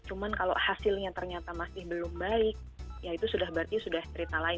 cuma kalau hasilnya ternyata masih belum baik ya itu sudah berarti sudah cerita lain